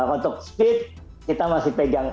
untuk speed kita masih pegang